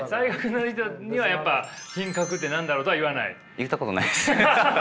言ったことないです。